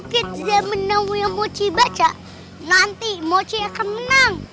kukukit zemenamu yang mochi baca nanti mochi akan menang